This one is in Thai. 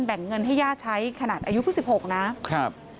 แบ่งเงินให้ย่าใช้ขนาดอายุ๑๖นะครับครับ